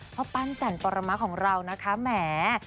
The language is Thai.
เพราะปั้นจันตรมะของเรานะคะแหม